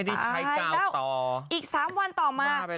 ใช่แล้วอีก๓วันต่อมา